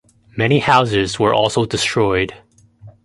Many houses were also destroyed.